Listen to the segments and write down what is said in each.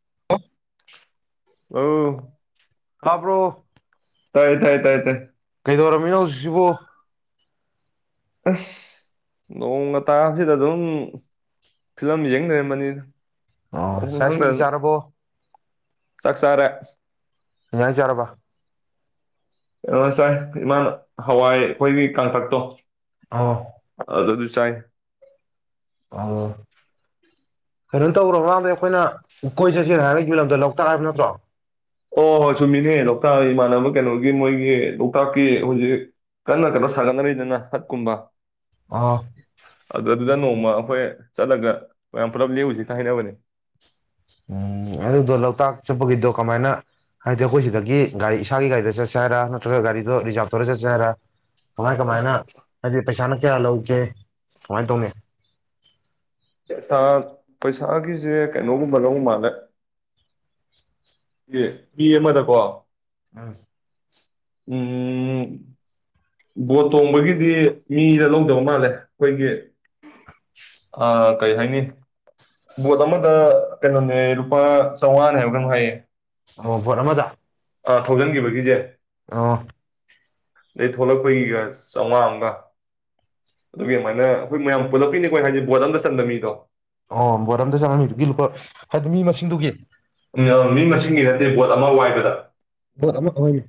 ꯑ ꯈꯕ꯭ꯔꯣ ꯇꯥꯏ ꯇꯥꯏ ꯇꯥꯏ ꯇ ꯀꯩꯗꯧꯔꯝꯃꯤꯅꯣ ꯍꯧꯖꯤꯛꯁꯤꯕꯨ ꯑꯁ ꯅꯣꯡꯒ ꯇꯥꯕꯁꯤꯗ ꯑꯗꯨꯝ ꯐꯤꯂꯝ ꯌꯦꯡꯅꯔꯝꯕꯅꯤꯅ ꯑꯣ ꯁꯥꯁꯤꯡꯗꯤ ꯆꯥꯔꯕꯣ ꯁꯛꯁꯥꯔ ꯌꯥ ꯆꯥꯔꯕ ꯀꯩꯅꯣꯁꯥꯏ ꯏꯃꯥꯅ ꯍꯋꯥꯏ ꯑꯩꯈꯣꯏꯒꯤ ꯀꯥꯡꯥꯡꯊꯛꯇꯣ ꯑꯣ ꯑ ꯑꯗꯨ ꯆꯥꯏ ꯑꯣ ꯀꯩꯅꯣ ꯇꯧꯔ ꯃꯔꯥꯡꯗ ꯑꯩꯈꯣꯏꯅ ꯎ ꯀꯣꯏ ꯆꯠꯁꯦꯅ ꯍꯥꯏꯔꯒꯤ ꯃꯤ ꯂꯝꯗ ꯂꯧ ꯇ ꯍꯥꯏꯕ ꯅꯠꯇ꯭ꯔꯣ ꯑꯣ ꯍꯣꯏ ꯆꯨꯝꯃꯤꯅꯦ ꯂꯣꯛꯇꯥꯛ ꯏꯃꯥꯟꯅꯕ ꯀꯩꯅꯣꯒꯤ ꯃꯣꯏꯒꯤ ꯂꯣꯛꯇꯥꯛꯀꯤ ꯍꯧꯖꯤꯛ ꯀꯟꯅ ꯀꯟꯅ ꯁꯥꯒꯠꯅꯔꯤꯗꯅ ꯍꯠꯀꯨꯝꯕ ꯑꯥ ꯑꯗꯨ ꯑꯗꯨꯗ ꯅꯣꯡꯃ ꯑꯩꯈꯣꯏ ꯆꯠꯂꯒ ꯃꯌꯥꯝ ꯄꯨꯂꯞ ꯂꯎꯖꯤꯛꯇ ꯍꯥꯏꯅꯕꯅꯦ ꯎꯝ ꯑꯗꯨꯗꯣ ꯂꯣꯛꯇꯥꯛ ꯆꯠꯄꯒꯤꯗꯣ ꯀꯃꯥꯏꯅ ꯍꯥꯏꯗꯤ ꯑꯩꯈꯣꯏ ꯁꯤꯗꯒꯤ ꯒꯥꯔꯤ ꯏꯁꯥꯒꯤ ꯒꯥꯔꯤꯗ ꯆꯠꯁꯦ ꯍꯥꯏꯔꯥ ꯅꯠꯇ꯭ꯔꯒ ꯒꯥꯔꯤꯗꯣ ꯔꯤꯖꯥꯚ ꯇꯧꯔ ꯆꯠꯁꯦ ꯍꯥꯏꯔꯥ ꯀꯃꯥꯏ ꯀꯃꯥꯏꯅ ꯑꯗꯨꯗꯤ ꯄꯩꯁꯥꯅ ꯀꯌꯥ ꯂꯧꯒꯦ ꯁꯨꯃꯥꯏꯅ ꯇꯧꯅꯤ ꯄꯩꯥ ꯄꯩꯁꯥꯒꯤꯁꯦ ꯀꯩꯅꯣꯒꯨꯝꯕ ꯂꯧ ꯃꯥꯜꯂꯦ ꯕꯤ ꯑꯃꯗꯀꯣ ꯑꯝ ꯎꯝ ꯕꯣꯠ ꯇꯣꯡꯕꯒꯤꯗꯤ ꯃꯤꯗ ꯂꯧꯗꯕ ꯃꯥꯜꯂꯦ ꯑꯩꯈꯣꯏꯒꯤ ꯑ ꯀꯩ ꯍꯥꯏꯅꯤ ꯕꯣꯠ ꯑꯃꯗ ꯀꯩꯅꯣꯅꯦ ꯂꯨꯄꯥ ꯆꯥꯝꯃꯉꯥꯅꯦ ꯍꯥꯏꯕ ꯀꯩꯅꯣ ꯍꯥꯏꯌꯦ ꯑꯣ ꯐꯣꯔꯃꯗ ꯊꯧꯖꯤꯟꯈꯤꯕꯒꯤꯁꯦ ꯑ ꯑꯗꯩ ꯊꯣꯛꯂꯛꯄꯒꯤꯒ ꯆꯥꯝꯃꯉꯥ ꯑꯃꯒ ꯑꯗꯨꯒꯤꯃꯥꯏꯅ ꯑꯩꯈꯣꯏ ꯃꯌꯥꯝ ꯄꯨꯜꯂꯛꯄꯤꯅꯤꯈꯣꯏ ꯍꯥꯏꯗꯤ ꯕꯣꯠ ꯑꯝꯇ ꯆꯟꯗꯕ ꯃꯤꯗꯣ ꯑꯣ ꯕꯣꯔꯝꯗ ꯆꯠꯃꯤꯗꯨꯒꯤ ꯂꯨꯄꯥ ꯍꯥꯏꯗꯤ ꯃꯤ ꯃꯁꯤꯡꯗꯨꯒꯤ ꯁꯤꯡꯒꯤ ꯅꯠꯇꯦ ꯕꯣꯠ ꯑꯃ ꯋꯥꯏꯕꯗ ꯄꯣꯠ ꯑꯃꯅꯤ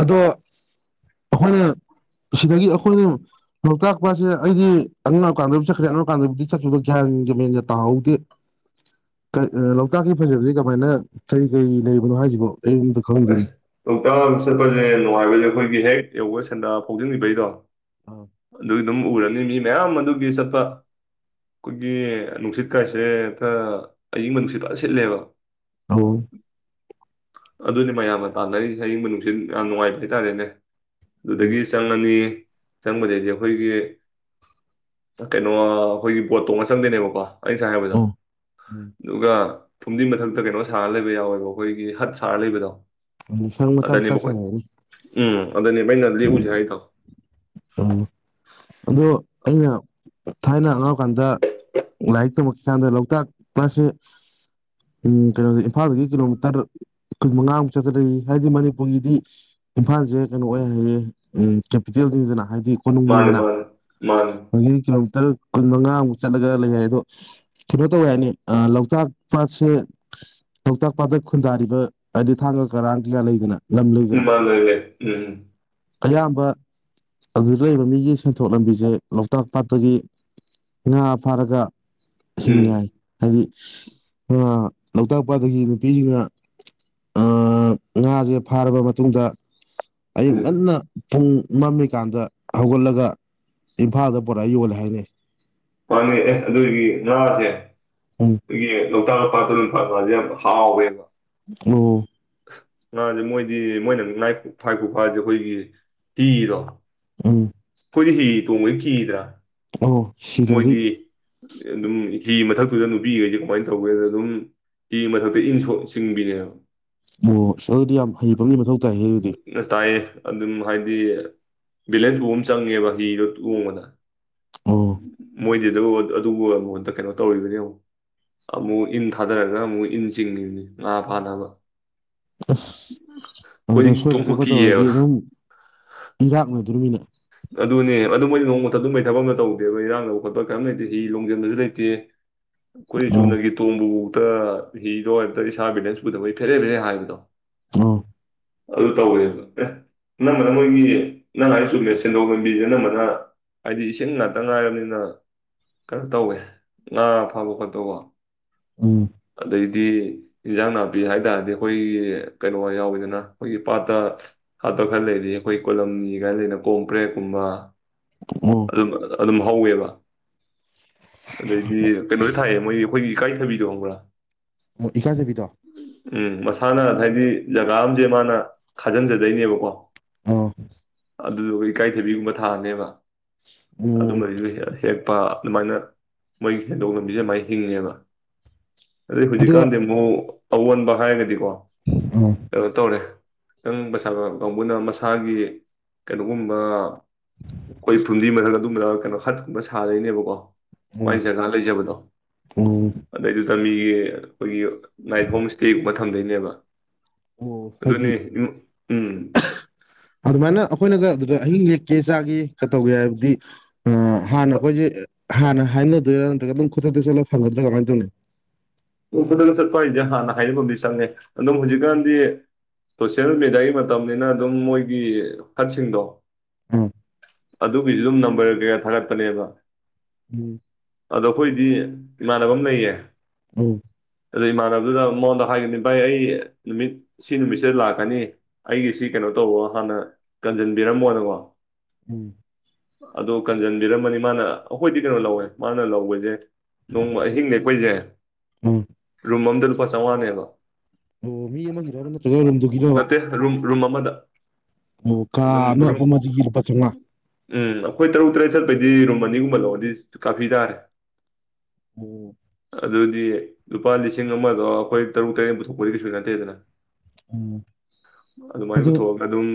ꯑꯗꯣ ꯑꯩꯈꯣꯏꯅ ꯁꯤꯗꯒꯤ ꯑꯩꯈꯣꯏꯅ ꯂꯣꯛꯇꯥꯛ ꯄꯁꯦ ꯑꯩꯗꯤ ꯑꯉꯛꯀꯥꯟꯗ ꯆꯠꯈ꯭ꯔꯦ ꯑꯉꯛꯀꯥꯟꯗꯕꯨꯗꯤ ꯆꯠꯈꯤꯕꯗꯣ ꯒ꯭ꯌꯥꯟꯁꯖ ꯃꯦꯟꯁꯦ ꯇꯥꯍꯧꯗꯦ ꯂꯣꯛꯇꯥꯛꯀꯤ ꯐꯖꯕꯁ ꯀꯃꯥꯏꯅ ꯀꯔꯤ ꯀꯔꯤ ꯂꯩꯕꯅꯣ ꯍꯥꯏꯁꯤꯕꯣ ꯑꯩ ꯈꯪꯗꯦꯅꯦ ꯑꯁ ꯇꯧꯇꯥꯛ ꯆꯠꯄꯁꯦ ꯅꯨꯡꯉꯥꯏꯕꯁꯦ ꯑꯩꯈꯣꯏꯒꯤ ꯍꯦꯛ ꯌꯧꯒ ꯁꯦꯟꯗ ꯐꯥꯎꯖꯤꯟꯈꯤꯕꯩꯗꯣ ꯑꯥ ꯑꯗꯨ ꯑꯗꯨꯝ ꯎꯔꯅꯤ ꯃꯤ ꯃꯌꯥꯝ ꯑꯗꯨꯒꯤ ꯆꯠꯄ ꯑꯩꯈꯣꯏꯒꯤ ꯅꯨꯡꯁꯤꯠ ꯀꯥꯏꯁꯦ ꯈꯔ ꯑꯏꯤꯡꯕ ꯅꯨꯡꯁꯤꯠ ꯂꯣꯏꯖ ꯁꯤꯜꯂꯦꯕ ꯑ ꯑꯗꯨꯅꯦ ꯃꯌꯥꯝꯅ ꯇꯥꯟꯅꯔꯤ ꯍꯌꯤꯡꯕ ꯅꯨꯡꯁꯤꯠ ꯌꯥꯝ ꯅꯨꯡꯉꯥꯏꯕ ꯍꯥꯏꯇꯥꯔꯦꯅꯦ ꯑꯣ ꯑꯗꯨꯗꯒꯤ ꯆꯪꯉꯅꯤ ꯆꯪꯕꯗꯩꯗꯤ ꯑꯩꯈꯣꯏꯒꯤ ꯀꯩꯅꯣ ꯑꯩꯈꯣꯏꯒꯤ ꯕꯣꯠ ꯇꯣꯡꯉ ꯆꯪꯗꯣꯏꯅꯦꯕꯀꯣ ꯑꯩ ꯁꯥꯏ ꯍꯥꯏꯕꯗꯣ ꯑꯣ ꯑꯗꯨꯒ ꯐꯨꯝꯗꯤꯟ ꯃꯊꯛꯇ ꯀꯩꯅꯣ ꯁꯥꯔꯒ ꯂꯩꯕ ꯌꯥꯎꯋꯦꯕ ꯑꯩꯈꯣꯏꯒꯤ ꯍꯠ ꯁ ꯂꯩꯕꯗꯣ ꯎꯝ ꯂꯤꯁꯪ ꯃꯆꯥ ꯃꯆꯥ ꯑꯗꯅꯦꯕꯈꯣꯏ ꯁꯥꯟꯅꯔꯅꯤ ꯎꯝ ꯑꯗꯅꯦꯕ ꯌꯥꯥꯏ ꯇꯥꯎ ꯑꯣ ꯑꯗꯣ ꯑꯩꯅ ꯊꯥꯏꯅ ꯑꯉꯥꯡꯀꯥꯟꯗ ꯂꯥꯏꯔꯤꯛ ꯇꯝꯃꯛꯀꯀꯥꯟꯗ ꯂꯣꯛꯇꯥꯛ ꯄꯁꯦ ꯀꯩꯅꯣꯁ ꯏꯝꯐꯥꯜꯗꯒꯤ ꯀꯤꯂꯣꯃꯤꯇꯔ ꯀꯨ ꯃꯉꯥꯃꯨꯛ ꯆꯠꯊꯔꯛꯏ ꯍꯥꯏꯗꯤ ꯃꯅꯤꯄꯨꯔꯒꯤꯗꯤ ꯏꯝꯐꯥꯜꯁꯦ ꯀꯩꯅꯣ ꯑꯣꯏ ꯍꯥꯏꯌꯦ ꯀꯦꯄꯤꯇꯦꯜꯅꯤꯗꯅ ꯍꯥꯏꯗꯤ ꯃꯥꯅꯦ ꯀꯣꯅꯨꯡꯒꯤꯗꯅ ꯃꯥꯅꯦ ꯃꯥꯅꯦ ꯑꯩ ꯀꯤꯂꯣ ꯇꯔꯨꯛ ꯀꯨꯟ ꯃꯉꯥꯃꯨꯛ ꯆꯠꯂꯒ ꯂꯩ ꯍꯥꯏ ꯑꯗꯣ ꯀꯩꯅꯣ ꯇꯧꯋꯦ ꯍꯥꯏꯅꯤ ꯂꯣꯛꯇꯥꯛ ꯄꯥꯠꯁꯦ ꯂꯣꯛꯇꯥꯛ ꯄꯥꯠꯇ ꯈꯨꯟꯗꯥꯔꯤꯕ ꯍꯥꯏꯗꯤ ꯊꯥꯡꯒ ꯀꯔꯥꯡ ꯀꯩꯌꯥ ꯂꯩꯗꯅ ꯂꯝ ꯂꯩꯗꯅ ꯎꯃꯉꯦ ꯎꯝ ꯑꯌꯥꯝꯕ ꯑꯗꯨꯗ ꯂꯩꯔꯤꯕ ꯃꯤꯒꯤ ꯁꯦꯟꯊꯣꯛ ꯂꯝꯕꯤꯁꯦ ꯂꯣꯛꯇꯥꯛ ꯄꯥꯠꯇꯒꯤ ꯉꯥ ꯐꯥꯔꯒ ꯎꯝ ꯍꯤꯡꯌꯥꯏ ꯍꯥꯏꯗꯤ ꯂꯧꯣꯛꯇꯥꯛꯄꯗꯒꯤ ꯅꯨꯄꯤꯁꯤꯡꯅ ꯉꯥꯁꯦ ꯐꯥꯔꯕ ꯃꯇꯨꯡꯗ ꯑꯌꯨꯛ ꯎꯝ ꯉꯟꯅ ꯄꯨꯡ ꯃꯃꯤ ꯀꯥꯟꯗ ꯍꯧꯒꯠꯂꯒ ꯏꯝꯐꯥꯜꯗ ꯄꯨꯔꯥ ꯌꯣꯜꯂꯦ ꯍꯥꯏꯅꯩ ꯄꯥꯟꯅ ꯑꯦ ꯑꯗꯨꯒꯤ ꯉꯥꯁꯦ ꯎꯝ ꯇꯒꯤ ꯂꯣꯛꯇꯥꯛ ꯄꯥꯠꯇ ꯑꯗꯨ ꯄꯥꯠꯁꯦ ꯌꯥꯝ ꯍꯥꯎꯋꯦꯕ ꯑꯣ ꯑ ꯉꯁꯦ ꯃꯣꯏꯗꯤ ꯃꯣꯏꯅ ꯉ ꯐꯥꯏꯀ ꯐꯥꯁꯦ ꯑꯩꯈꯣꯏꯒꯤ ꯀꯤꯗꯣ ꯎꯝ ꯑꯩꯈꯣꯏꯗꯤ ꯍꯤ ꯇꯣꯡꯕꯩ ꯀꯤꯗ꯭ꯔꯥ ꯑꯣ ꯁꯤ ꯊꯣꯡꯁꯤ ꯃꯣꯏꯗꯤ ꯑꯗꯨꯝ ꯍꯤ ꯃꯊꯛ ꯗ ꯅꯨꯄꯤꯈꯩꯗꯤ ꯀꯃꯥꯏꯅ ꯇꯧꯒꯦꯗ ꯑꯗꯨꯝ ꯃꯊꯛꯇ ꯏ ꯆꯤꯡꯕꯤꯅꯦꯕ ꯑꯣ ꯑꯗꯨꯗꯤ ꯌꯥꯝ ꯍꯩꯕꯒꯤ ꯃꯊꯧ ꯇꯥꯏ ꯍꯌꯦ ꯑꯗꯨꯗꯤ ꯇꯥꯏꯌꯦ ꯑꯗꯨꯝ ꯍꯥꯏꯗꯤ ꯕꯦꯂꯦꯟꯁ ꯐꯥꯎꯕ ꯑꯃ ꯆꯪꯉꯦꯕ ꯍꯤꯗꯣ ꯇꯣꯡꯕꯗ ꯑꯣ ꯃꯣꯏꯗꯤ ꯑꯗꯨ ꯑꯗꯨꯕꯨ ꯑꯩꯉꯣꯟꯗ ꯀꯩꯅꯣ ꯇꯧꯔꯤꯕꯅꯤ ꯑꯃꯨꯛ ꯑꯃꯨꯛ ꯏꯟ ꯊꯥꯗꯔꯒ ꯑꯃꯨꯛ ꯏꯟ ꯆꯤꯡꯉꯤꯕꯅꯤ ꯉꯥ ꯐꯥꯅꯕ ꯑꯩꯈꯣꯏꯗꯤ ꯑꯗꯨ ꯁꯣꯏꯕ ꯇꯣꯡꯕ ꯑꯈꯣꯏꯄꯠꯇ ꯑꯣꯏꯔꯗꯤ ꯀꯤꯌꯦꯕ ꯑꯗꯨꯝ ꯏꯒꯥꯛꯅꯦ ꯨꯔꯃꯤꯅ ꯑꯗꯨꯅꯦ ꯑꯗꯨ ꯃꯣꯏꯗꯤ ꯅꯣꯡꯃꯊ ꯑꯗꯨꯝ ꯃꯩ ꯊꯕꯛ ꯑꯃ ꯇꯧꯗꯦꯕ ꯏꯔꯥꯡꯅꯕ ꯈꯣꯠꯄ ꯀꯔꯤꯝ ꯂꯩꯇꯦ ꯍꯤ ꯂꯣꯡꯖꯟꯕꯁꯨ ꯂꯩꯇꯦ ꯑꯩꯈꯣꯏ ꯑꯣ ꯆꯨꯝꯅꯒꯤ ꯇꯣꯡꯕꯕꯨ ꯑ ꯍꯤꯗꯣ ꯍꯝ ꯏꯁꯥ ꯕꯤꯂꯦꯟꯁ ꯄꯨꯗꯕꯩ ꯐꯦꯔꯦ ꯐꯦꯔꯦ ꯍꯥꯏꯕꯗꯣ ꯑ ꯑꯗꯨ ꯇꯧꯋꯦꯕ ꯑꯦ ꯅꯪꯝꯕꯅ ꯃꯣꯏꯒꯤ ꯅꯪ ꯍꯥꯏꯅ ꯆꯨꯝꯃꯤꯁ ꯁꯦꯟꯗꯣꯛ ꯂꯝꯕꯤꯁꯦ ꯑꯅꯝꯕꯅ ꯍꯥꯏꯗꯤ ꯏꯁꯤꯡ ꯉꯥꯛꯇ ꯉꯥꯏꯔꯕꯅꯤꯅ ꯀꯩꯅꯣ ꯇꯧꯋꯦ ꯉꯥ ꯐꯥꯕ ꯈꯣꯠꯄꯀꯣ ꯎꯝ ꯑꯗꯩꯗꯤ ꯏꯟꯖꯥꯡ ꯅꯥꯄꯤ ꯍꯥꯏꯇꯥꯔꯗꯤ ꯑꯩꯈꯣꯏꯒꯤ ꯀꯩꯅꯣ ꯌꯥꯎꯋꯤꯗꯅ ꯑꯩꯈꯣꯏꯒꯤ ꯄꯥꯠꯇ ꯍꯥꯠꯄ ꯈꯔ ꯂꯩꯔꯤ ꯑꯩꯈꯣꯏ ꯀꯣꯂꯝꯅꯤ ꯀꯥꯏꯅ ꯂꯩꯅ ꯀꯣꯝ ꯄ꯭ꯔꯦꯛꯀꯨꯝꯕ ꯑꯣ ꯑꯗꯨꯝ ꯑꯗꯨꯝ ꯍꯧꯋꯦꯕ ꯑꯗꯩꯗꯤ ꯀꯩꯅꯣꯁꯨ ꯊꯥꯏꯌꯦ ꯃꯣꯏꯒꯤ ꯑꯩꯈꯣꯏꯒꯤ ꯏꯀꯥꯏꯊꯕꯤꯗꯣ ꯈꯪꯕ꯭ꯔꯥ ꯏꯀꯥꯏꯗꯕꯤ ꯇꯣ ꯏꯁꯥꯟꯅ ꯍꯥꯏꯗꯤ ꯖꯒꯥ ꯑꯃꯁꯝꯁꯦ ꯃꯥꯅ ꯈꯥꯖꯤꯟꯖꯗꯣꯏꯅꯦꯕꯀꯣ ꯑꯣ ꯑꯗꯨꯗꯨꯒ ꯏꯀꯥꯏꯊꯕꯤꯒꯨꯝꯕ ꯊꯥꯔꯅꯦꯕ ꯎꯝ ꯑꯗꯨꯝꯕꯁꯨꯦꯛ ꯍꯦꯛꯄ ꯑꯗꯨꯃꯥꯏꯅ ꯃꯣꯏꯒꯤ ꯁꯦꯟꯗꯣꯛ ꯂꯝꯕꯤꯁꯦ ꯃꯥꯏꯅ ꯍꯤꯡꯉꯦꯕ ꯑꯗ ꯑꯗꯣ ꯍꯧꯖꯤꯀꯥꯟꯗ ꯃꯣ ꯑꯑꯣꯟꯕ ꯍꯥꯏꯔꯒꯗꯤꯀꯣ ꯑꯣ ꯇ ꯇꯧꯔꯦ ꯈꯤꯇꯪ ꯃꯁꯥꯕ ꯀꯥꯡꯕꯨꯅ ꯃꯁꯥꯒꯤ ꯀꯩꯅꯣꯒꯨꯝꯕ ꯑꯩꯣꯏ ꯐꯨꯟꯗꯤ ꯃꯁꯥꯒꯗ ꯀꯩꯅꯣ ꯍꯠꯀꯨꯝꯕ ꯁꯥꯗꯣꯏꯅꯦꯕꯀꯣ ꯃꯥꯏ ꯎꯝ ꯖꯔꯒꯥ ꯂꯩꯖꯕꯗꯣ ꯎꯝ ꯑꯗꯨꯗꯩꯗꯨ ꯇꯕꯤꯒꯤ ꯑꯩꯈꯣꯏꯒꯤ ꯍꯣꯝ ꯁꯇꯦ ꯈꯟꯗꯣꯏꯅꯦꯕ ꯑꯣ ꯍꯥꯏꯗꯤ ꯎꯝ ꯑꯗꯨꯃꯥꯏꯅ ꯑꯩꯈꯣꯏꯅꯒ ꯑꯗ ꯑꯍꯤꯡ ꯂꯦꯛꯀꯦ ꯆꯥꯒꯦ ꯀꯩ ꯇꯧꯒꯦ ꯍꯥꯏꯕꯗꯤ ꯍꯥꯟꯅ ꯑꯩꯈꯣꯏꯁꯦ ꯍꯥꯟꯅ ꯍꯥꯏꯅꯗꯣꯏꯔꯥ ꯅꯠꯇ꯭ꯔꯒ ꯑꯗꯨꯝ ꯈꯨꯊꯛꯇ ꯆꯠꯂꯒ ꯐꯪꯒꯗ꯭ꯔꯥ ꯀꯃꯥꯏꯅ ꯇꯧꯅꯤ ꯈꯨꯗꯪ ꯆꯠꯄ ꯍꯥꯏꯁꯦ ꯍꯥꯟꯅ ꯍꯥꯏꯅꯐꯝꯗꯤ ꯆꯪꯉꯦ ꯑꯗꯨꯝ ꯍꯧꯖꯤꯛꯀꯥꯟꯗꯤ ꯁꯣꯁꯤꯦꯜ ꯃꯦꯗꯤꯌꯥꯒꯤ ꯃꯇꯝꯅꯤꯅ ꯑꯗꯨꯝ ꯃꯣꯏꯒꯤ ꯍꯠꯁꯤꯡꯗꯣ ꯎꯥ ꯑꯗꯨꯒꯤꯁꯨ ꯑꯗꯨꯝ ꯅꯝꯕꯔ ꯀꯩꯀ ꯊꯥꯒꯠꯄꯅꯦꯕ ꯎꯝ ꯑꯗꯣ ꯑꯩꯈꯣꯏꯗꯤ ꯏꯃꯥꯟꯅꯕ ꯑꯃ ꯂꯩꯌꯦ ꯑ ꯑꯗꯨ ꯏꯃꯥꯟꯅꯕꯗꯨꯗ ꯃꯉꯣꯟꯗ ꯍꯥꯏꯒꯅꯤ ꯚꯥꯏ ꯑꯩ ꯅꯨꯃꯤꯠ ꯁꯤ ꯅꯨꯃꯤꯠꯁꯤꯗ ꯂꯥꯛꯀꯅꯤ ꯑꯩꯒꯤ ꯁꯤ ꯀꯩꯅꯣ ꯇꯧꯕ ꯍꯥꯟꯅ ꯀꯟꯖꯟꯕꯤꯔꯝꯃꯣꯅꯀꯣ ꯎꯝ ꯑꯣ ꯀꯟꯖꯟꯕꯤꯔꯝꯃꯅꯤ ꯃꯥꯅ ꯑꯩꯈꯣꯏꯗꯤ ꯀꯩꯅꯣ ꯂꯧꯋꯦ ꯃꯥꯅ ꯂꯧꯕꯁꯦ ꯅꯣꯡꯃ ꯑꯍꯤꯡ ꯅꯦꯛꯈꯣꯏꯁꯦ ꯎꯝ ꯎꯝ ꯔꯨꯝꯃꯝꯗꯜ ꯄ ꯁꯋꯥꯅ ꯍꯥꯏꯕ ꯃꯤ ꯑꯃꯔꯕ ꯅꯠꯇ꯭ꯔꯒ ꯑꯩꯔꯣꯝꯗꯨꯒꯤꯔꯕ ꯔꯨꯝ ꯔꯨꯝ ꯑꯃꯗ ꯑꯗꯨꯝ ꯑꯃ ꯎꯝ ꯑꯄꯨꯟꯕꯁꯤꯒꯤ ꯂꯨꯄꯥ ꯆꯥꯝꯃꯉꯥ ꯑꯩꯈꯣꯏ ꯇꯔꯨꯛ ꯇꯔꯦꯠ ꯆꯠꯄ ꯑꯩꯈꯣꯏꯗꯤ ꯔꯨꯝ ꯑꯅꯤꯒꯨꯝꯕ ꯂꯧꯔꯗꯤ ꯀꯥꯄꯤ ꯇꯥꯔꯦ ꯑꯣ ꯑꯗꯨꯗꯗꯤ ꯂꯨꯄꯥ ꯂꯤꯁꯤꯡ ꯑꯃꯗꯣ ꯑꯩꯈꯣꯏ ꯇꯔꯨꯛ ꯇꯔꯦꯠ ꯄꯨꯊꯣꯛꯄꯗꯤ ꯀꯩꯁꯨꯣꯏ ꯉꯅꯇꯦꯗꯅ ꯎꯝ ꯑꯗꯨꯃꯥꯏꯅ ꯑꯗꯨ ꯄꯨꯊꯣꯛꯑꯒ ꯑꯗꯨꯝ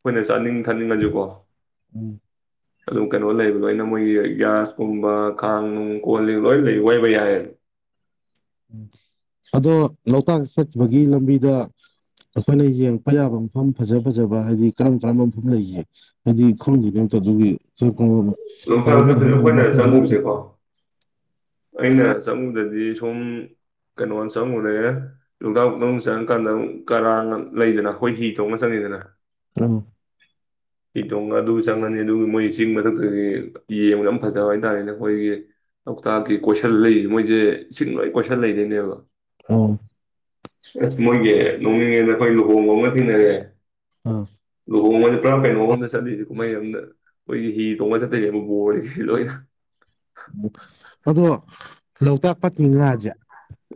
ꯄꯨꯣꯏꯁꯤ ꯆꯥꯅꯤꯡ ꯊꯥꯅꯤꯡꯉꯁꯨꯀꯣ ꯎꯝ ꯑꯗꯨꯝ ꯀꯩꯅꯣ ꯂꯩꯕ ꯂꯣꯏꯅ ꯃꯣꯏꯒꯤ ꯒ꯭ꯌꯥꯁꯀꯨꯝꯕ ꯈꯥꯡ ꯅꯨꯡ ꯀꯣꯜꯂꯤ ꯂꯣꯏ ꯂꯩ ꯑꯣꯏꯕ ꯌꯥꯏꯌꯦ ꯎꯝ ꯑꯗꯣ ꯂꯣꯛꯇꯥꯛ ꯆꯠꯄꯒꯤ ꯂꯝꯕꯤꯗ ꯑꯩꯈꯣꯏꯅ ꯌꯦꯡꯉꯛꯄ ꯌꯥꯕ ꯃꯐꯝ ꯐꯖ ꯐꯖꯕ ꯍꯥꯏꯗꯤ ꯀꯔꯝ ꯀꯔꯝꯕ ꯃꯐꯝ ꯂꯩꯁꯦ ꯍꯥꯏꯗꯤ ꯈꯪꯗꯦꯅꯣ ꯑꯇ ꯑꯗꯨꯒꯤ ꯍꯥꯏꯗꯤ ꯂꯣꯡꯆꯥꯛꯁꯦ ꯃꯤꯅ ꯐꯖ ꯍꯥꯏꯅꯕꯗꯤ ꯑꯩꯈꯣꯏꯅ ꯃꯐꯝ ꯈꯔ ꯆꯪꯉꯨꯁꯦꯀꯣ ꯑꯩꯅ ꯆꯪꯉꯨꯗꯗꯤ ꯁꯨꯝ ꯀꯩꯅꯣ ꯆꯪꯉꯨꯗ ꯂꯨꯒꯥꯎꯗꯧ ꯆꯪꯉꯀꯥꯟꯗ ꯑꯃꯛ ꯀꯔꯥꯡ ꯂꯩꯗꯅ ꯑꯩꯈꯣꯏ ꯍꯤ ꯊꯣꯛꯣꯡꯅ ꯆꯪꯉꯤꯗꯅ ꯑꯥ ꯄꯤ ꯇꯣꯡꯒ ꯑꯗꯨ ꯆꯪꯉꯅꯤ ꯑꯗꯨꯒ ꯃꯣꯏ ꯆꯤꯡ ꯃꯊꯛꯇꯒꯤ ꯌꯦꯡꯕꯗ ꯌꯥꯝ ꯐꯖꯕ ꯍꯥꯏꯇꯥꯔꯦꯅꯦ ꯑꯩꯈꯣꯏꯒꯤ ꯂꯣꯛꯇꯥꯛꯀꯤ ꯀꯣꯏꯁꯜ ꯂꯩꯁ ꯃꯣꯏꯁꯦ ꯏꯁꯤꯡ ꯂꯣꯏ ꯀꯣꯏꯁꯜ ꯂꯩꯗꯣꯏꯅꯦꯕ ꯑ ꯑꯁ ꯃꯣꯏꯒꯤ ꯅꯣꯡꯅꯤꯡꯉꯩꯗ ꯑꯩꯈꯣꯏ ꯂꯨꯍꯣꯡꯕ ꯑꯃ ꯊꯦꯡꯅꯔꯦ ꯑꯥ ꯂꯨꯍꯣꯡꯉꯁꯦ ꯄꯨꯔꯥ ꯀꯩꯅꯣ ꯑꯝꯗ ꯆꯠꯂꯤꯁꯦ ꯀꯨꯝꯍꯩ ꯑꯃꯝꯗ ꯃꯣꯏꯒꯤ ꯍꯤ ꯇꯣꯡꯉ ꯆꯠ ꯌꯥꯝ ꯣꯔꯂꯣꯏꯅ ꯑꯗꯣ ꯂꯣꯛꯇꯥꯛ ꯄꯥꯠꯇꯤ ꯉꯥꯁꯦ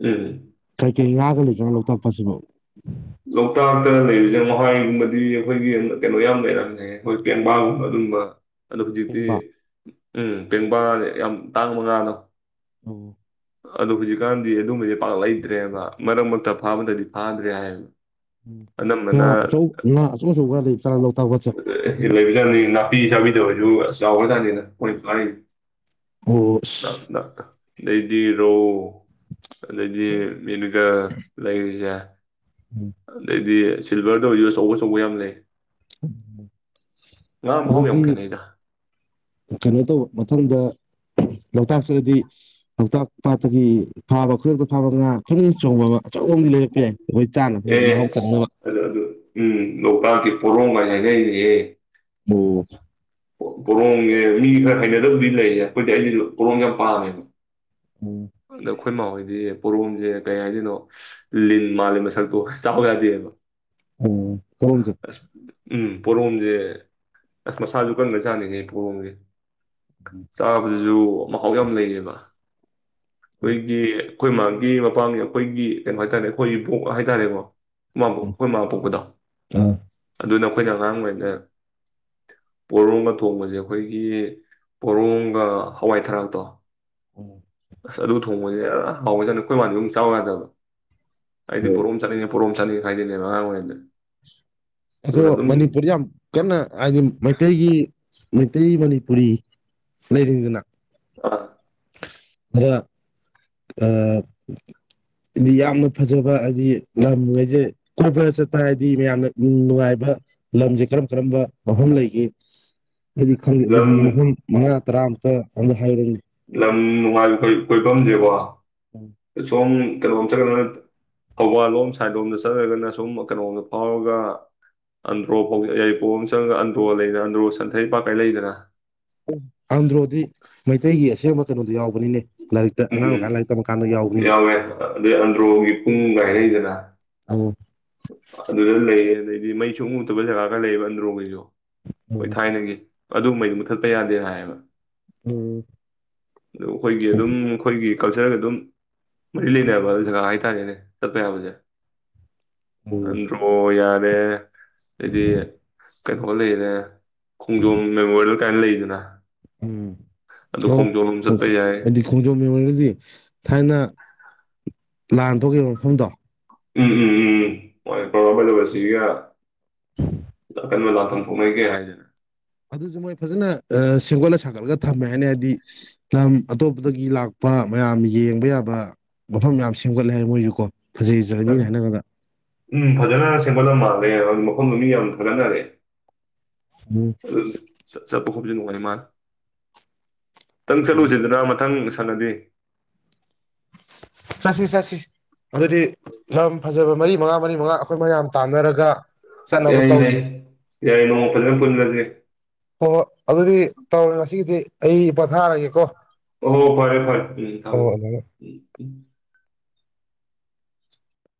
ꯎꯝ ꯀꯩ ꯉꯥꯒ ꯂꯩꯇꯣꯏꯅꯣ ꯂꯣꯛꯇꯥꯛꯄꯁꯤꯕ ꯂꯣꯛꯇꯥꯛꯇ ꯂꯩꯕꯁꯦ ꯃꯍꯥꯏꯒꯨꯝꯕꯗꯤ ꯑꯩꯈꯣꯏꯒꯤ ꯀꯩꯅꯣ ꯌꯥꯝ ꯂꯩꯔꯝꯃꯦ ꯑꯩꯈꯣꯏ ꯀꯦꯡꯕꯥꯒꯨꯝꯕ ꯑꯗꯨꯒꯕ ꯑꯈꯖꯤꯇ ꯄꯦꯡꯕꯥ ꯎꯝ ꯄꯦꯡꯕꯥꯜ ꯌꯥꯝ ꯇꯥꯡ ꯃꯉꯥꯅꯣ ꯑ ꯑꯗꯣ ꯍꯧꯖꯤꯛꯀꯥꯟꯗꯤ ꯑꯗꯨꯝꯕꯁꯦ ꯄꯥꯛꯂ ꯂꯩꯇ꯭ꯔꯦꯕ ꯃꯔꯛ ꯃꯔꯛꯇ ꯐꯥꯕꯗꯗꯤ ꯐꯥꯗ꯭ꯔꯦ ꯍꯥꯏꯌꯦꯕ ꯎ ꯉ ꯑꯅꯝꯕꯅ ꯑꯆꯧ ꯉꯥ ꯑꯆꯧ ꯑꯆꯧꯕ ꯂꯩ ꯆꯔꯥ ꯂꯣꯛꯇꯥꯛꯄꯠꯁꯦ ꯂꯩꯕꯖꯥꯠꯅꯤ ꯅꯥꯄꯤ ꯆꯕꯤꯗꯁꯨ ꯑꯁ ꯆꯥꯎꯔ꯭ꯔ ꯆꯥꯟꯅꯤꯅꯣꯏ ꯑꯣ ꯅꯥꯛ ꯑꯁ ꯅꯥꯛ ꯂꯩꯗꯤꯔꯣ ꯑꯗꯗꯤ ꯍꯣꯏ ꯃꯤꯅꯀ ꯂꯩꯔꯤꯖ ꯎꯝ ꯑꯗꯗꯤꯦ ꯁꯤꯜꯚꯔꯗ ꯑꯣꯏꯖꯤꯁꯨ ꯑꯆꯧ ꯑꯆꯧꯕ ꯌꯥꯝ ꯂꯩ ꯉꯥ ꯃꯍꯥꯎ ꯌꯥꯝ ꯑꯗꯨꯗꯤ ꯈꯦꯠꯅꯩꯗ ꯀꯩꯅꯣ ꯇꯧꯕ ꯃꯊꯪꯗ ꯂꯣꯛꯇꯥꯛꯁꯤꯗꯗꯤ ꯂꯣꯛꯇꯥꯛ ꯄꯥꯠꯇꯒꯤ ꯐꯥꯕ ꯈꯨꯗꯛꯇ ꯐꯥꯕ ꯉꯥ ꯐꯨꯝ ꯆꯣꯡꯕ ꯑꯃ ꯑꯆꯧꯕ ꯑꯃꯗꯤꯗꯤ ꯂꯩꯔꯛꯄ ꯌꯥꯏ ꯑꯩꯈꯣꯏ ꯆꯥꯅꯕ ꯍꯥꯏꯗꯤ ꯃꯍꯥꯎ ꯑꯦꯁ ꯇꯪꯅꯕ ꯑꯗꯨ ꯑꯗꯨ ꯎꯝ ꯂꯣꯛꯇꯥꯛꯀꯤ ꯄꯨꯔꯣꯃ ꯅꯗꯦ ꯑꯣ ꯄꯣꯔꯣꯡꯁꯦ ꯃꯤ ꯈꯔ ꯍꯩꯅꯗꯕꯨꯗꯤ ꯂꯩꯌꯦ ꯑꯩꯈꯣꯏꯗꯤ ꯑꯩꯗꯤꯁꯨ ꯄꯣꯔꯣꯡꯦ ꯌꯥꯝ ꯄꯥꯝꯃꯦꯕ ꯎꯝ ꯑꯗ ꯑꯩꯈꯣꯏ ꯃꯥꯍꯣꯏꯗꯤ ꯄꯣꯔꯣꯝꯁꯦ ꯀꯩ ꯍꯥꯏꯗꯣꯏꯅꯣ ꯂꯤꯟ ꯃꯥꯜꯂꯤ ꯃꯁꯛꯇꯣ ꯆꯥꯄ ꯀꯗꯦꯕ ꯑꯣ ꯍꯁꯦ ꯎꯝ ꯄꯣꯔꯣꯝꯁꯦ ꯑꯁ ꯃꯁꯥꯁꯨ ꯀꯟꯒ ꯆꯥꯅꯤꯅꯦꯩ ꯄꯣꯔꯣꯝꯁꯦ ꯆꯥꯎꯥꯕꯖꯨ ꯃꯍꯥꯎ ꯌꯥꯝ ꯂꯩꯌꯦꯕ ꯑꯩꯈꯣꯏꯒꯤ ꯑꯩꯈꯣꯏ ꯃ ꯒꯤ ꯃꯄꯥꯡꯒꯤ ꯑꯩꯈꯣꯏꯒꯤ ꯀꯩꯅꯣ ꯍꯥꯏꯇꯥꯔꯦ ꯑꯩꯈꯣꯏꯒꯤꯕꯣꯛ ꯍꯥꯏꯇꯥꯔꯦꯀꯣ ꯑꯩꯈꯣꯏ ꯃꯥ ꯄꯣꯛꯄꯗꯣ ꯑꯥ ꯑꯗꯨꯅ ꯑꯩꯈꯣꯏꯅ ꯑꯉꯥꯡ ꯑꯣꯏꯔꯤꯩꯗ ꯄꯣꯔꯣꯡꯒ ꯊꯣꯡꯕꯁꯦ ꯑꯩꯈꯣꯏꯒꯤ ꯄꯣꯔꯣꯡꯒ ꯍꯋꯥꯏ ꯊꯔꯥꯛꯇꯣ ꯑꯣ ꯑꯁ ꯑꯗꯨ ꯊꯣꯡꯕꯁꯦ ꯍꯥꯎꯋ ꯆꯠꯅ ꯑꯩꯈꯣꯏ ꯃꯅꯤꯗ ꯑꯃꯨꯛ ꯆꯥꯎꯕ ꯌꯥꯥꯟꯗꯕ ꯑꯗꯤ ꯎꯝ ꯄꯨꯔꯝ ꯆꯠꯉ ꯄꯣꯔꯣꯝ ꯆꯥꯅꯤꯡ ꯈꯥꯏꯗꯣꯏꯅꯦꯕ ꯑꯉꯥꯡ ꯑꯣꯏꯔꯤꯗ ꯑꯗꯣ ꯃꯅꯤꯄꯨꯔꯁ ꯌꯥꯝ ꯀꯟꯅ ꯍꯥꯏꯗꯤ ꯃꯩꯇꯩꯒꯤ ꯃꯩꯇꯩ ꯃꯅꯤꯄꯨꯔꯤ ꯂꯩꯔꯤꯉꯩꯗꯅ ꯑ ꯑꯗ ꯍꯥꯏꯗꯤ ꯌꯥꯝꯅ ꯐꯖꯕ ꯍꯥꯏꯕꯗꯤ ꯂꯝꯉꯩꯁꯦ ꯀꯣꯏꯕ ꯆꯠꯄ ꯍꯥꯏꯗꯤ ꯃꯌꯥꯝꯅ ꯅꯨꯡꯉꯥꯏꯕ ꯂꯝꯁꯦ ꯀꯔꯝ ꯀꯔꯝꯕ ꯃꯐꯝ ꯂꯩꯒ ꯍꯥꯏꯗꯤ ꯈꯪꯗꯦ ꯑꯗꯨ ꯂꯝ ꯍꯥꯏꯔꯤꯕ ꯃꯐꯝ ꯃꯉꯥ ꯇꯔꯥꯃꯨꯛꯇ ꯑ ꯍꯥꯏ ꯂꯝ ꯅꯨꯡꯉꯥꯏꯕ ꯀꯣꯏꯐꯝꯁꯦꯀꯣ ꯁ ꯀꯩꯅꯣꯝ ꯆꯪꯒꯗ ꯊꯧꯕꯥꯜꯂꯣꯝ ꯁꯥꯏꯠꯂꯣꯝꯗ ꯆꯠꯂꯒꯅ ꯁꯨꯝ ꯀꯩꯅꯣꯝꯗ ꯐꯥꯎꯔꯒ ꯑꯟꯗ꯭ꯔꯣ ꯐꯥꯎ ꯌꯥꯏꯔꯤꯄꯣꯛ ꯑꯃ ꯆꯪꯉꯒ ꯑꯟꯗ꯭ꯔꯣ ꯂꯩꯗꯅ ꯑꯟꯗ꯭ꯔꯣ ꯁꯟꯊꯩ ꯄꯥꯀꯥꯏ ꯂꯩꯗꯅ ꯑꯟꯗ꯭ꯔꯣꯗꯤ ꯃꯩꯇꯩꯒꯤ ꯑꯁꯦꯡꯕ ꯀꯩꯅꯣꯗ ꯌꯥꯎꯕꯅꯤꯅꯦ ꯂꯥꯏꯔꯤꯛꯇ ꯑꯉꯥꯡ ꯎꯝ ꯑꯣꯏꯀꯥꯟ ꯂꯥꯏꯔꯤꯛ ꯇꯝꯕ ꯀꯥꯟꯗ ꯌꯥꯎꯕꯅꯤꯅꯦ ꯌꯥꯎꯋꯦ ꯑꯗꯨꯩ ꯑꯟꯗ꯭ꯔꯣꯒꯤ ꯄꯨꯡ ꯀꯥꯏꯅꯩꯗꯅ ꯑꯧ ꯑꯗꯨꯗ ꯂꯩ ꯑꯗꯨꯗꯩ ꯍꯥꯏ ꯃꯩ ꯁꯨꯡꯎꯨꯗꯕꯖꯒꯥ ꯈꯔ ꯂꯩꯌꯦꯕ ꯑꯟꯗ꯭ꯔꯣꯡꯒꯤꯁꯨ ꯍꯣꯏ ꯎꯝ ꯊꯥꯏꯅꯒꯤ ꯑꯗꯨꯨꯝꯕꯩꯗꯨ ꯃꯨꯊꯠꯄ ꯌꯥꯗꯦꯅ ꯍꯥꯏꯌꯦꯕ ꯎꯝ ꯑ ꯑꯩꯈꯣꯏꯒꯤ ꯑꯗꯨꯝ ꯑꯩ ꯒꯤ ꯀꯜꯆꯔꯒ ꯑꯗꯨꯝ ꯃꯔꯤ ꯂꯩꯅꯕ ꯖꯒꯥ ꯍꯥꯏꯇꯥꯔꯦꯅꯦ ꯆꯠꯄ ꯌꯥꯕꯁꯦ ꯑ꯭ꯔꯣ ꯌꯥꯔ ꯃꯦ ꯑꯗꯨꯗꯤ ꯀꯩꯅꯣ ꯂꯩꯔꯦ ꯈꯣꯡꯖꯣꯝ ꯃꯦꯃꯣꯔꯤꯌꯦꯜ ꯀꯥꯏꯅ ꯂꯩꯗꯅ ꯎꯝ ꯑꯗꯨ ꯑꯣ ꯈꯣꯡꯖꯣꯝ ꯂꯣꯝ ꯆꯠꯄ ꯌꯥꯏ ꯍꯥꯏꯗꯤ ꯈꯣꯡꯖꯣꯝ ꯃꯦꯃꯣꯔꯤꯌꯦꯜꯗꯤ ꯊꯥꯏꯅ ꯂꯥꯟ ꯊꯣꯛꯈꯤꯕ ꯃꯐꯝꯗꯣ ꯎꯝ ꯎꯝ ꯎꯝꯕꯖꯕꯁꯤꯒ ꯑ ꯀ ꯃ ꯂꯥꯎ ꯊꯝ ꯐꯃꯩ ꯀꯦ ꯍꯥꯏꯅꯦ ꯑꯗꯨꯁꯨ ꯃꯣꯏ ꯐꯖꯅ ꯁꯦꯝꯒꯠꯂ ꯁꯥꯒꯠꯂꯒ ꯊꯝꯃꯦ ꯍꯥꯏꯅꯤ ꯍꯥꯏꯕꯗꯤ ꯂꯝ ꯑꯇꯣꯞꯄꯗꯒꯤ ꯂꯥꯛꯄ ꯃꯌꯥꯝ ꯌꯦꯡꯕ ꯌꯥꯕ ꯃꯐꯝ ꯌꯥꯝꯌꯥꯝ ꯁꯦꯝꯒꯠꯂꯦ ꯍꯥꯏ ꯃꯣꯏꯁꯨ ꯀꯣ ꯐꯖꯩꯗ꯭ꯔꯕꯅꯤꯅ ꯍꯥꯏꯉꯗ ꯎꯝ ꯐꯖꯅ ꯁꯦꯝꯒꯠꯂꯝ ꯃꯥꯜꯒꯦ ꯍꯥꯏꯕ ꯃꯐꯝꯗꯨ ꯃꯤ ꯌꯥꯝ ꯊꯥꯒꯠꯅꯔꯦ ꯎꯝ ꯄꯈꯐꯝꯁꯨ ꯅꯨꯡꯉꯥꯏꯅꯦꯃ ꯈꯤꯇꯪ ꯎꯝ ꯆꯠꯂꯨꯁꯤꯗꯅ ꯃꯊꯪ ꯍꯂꯗꯦ ꯆꯠꯁꯤ ꯆꯠꯁꯤ ꯑꯗꯨꯗꯤ ꯂꯝ ꯐꯖꯕ ꯃꯔꯤ ꯃꯉꯥ ꯃꯔꯤ ꯃꯉꯥ ꯑꯩꯈꯣꯏ ꯃꯌꯥꯝ ꯇꯥꯟꯅꯔꯒ ꯆꯠꯅꯕ ꯌꯥꯏ ꯌꯥꯏ ꯇꯧꯁꯤ ꯌꯥꯏ ꯅꯣꯡ ꯐꯖꯅ ꯄꯨꯜꯈꯁꯦ ꯍꯣꯏ ꯍꯣꯏ ꯑꯗꯨꯗꯤ ꯇꯧꯔꯦ ꯉꯁꯤꯒꯤꯗꯤ ꯑꯩ ꯄꯟꯊꯥꯔꯒꯦꯀꯣ ꯑꯣ ꯐꯔꯦ ꯐꯔꯦ ꯊ